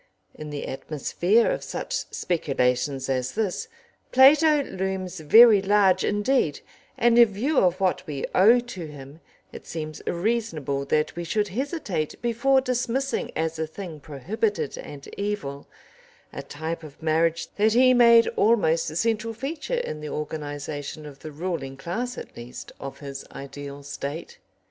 In the atmosphere of such speculations as this, Plato looms very large indeed, and in view of what we owe to him, it seems reasonable that we should hesitate before dismissing as a thing prohibited and evil, a type of marriage that he made almost the central feature in the organisation of the ruling class, at least, of his ideal State.